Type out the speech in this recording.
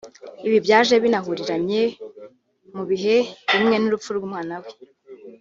ibi byaje binahuriranye mu bihe bimwe n’urupfu rw’umwana we